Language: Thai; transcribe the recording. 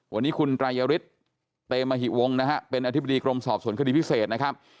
วันนี้คุณไตรยฤทธิ์เตมหิวงศ์นะฮะเป็นอธิบดีกรมสอบสวนคดีพิเศษนะครับ